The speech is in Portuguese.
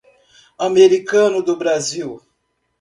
Americano do Brasil